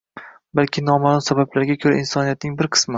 balki noma’lum sabablarga ko‘ra insoniyatning bir qismini